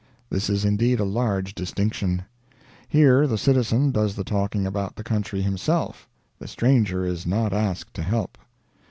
This is indeed a large distinction. Here the citizen does the talking about the country himself; the stranger is not asked to help.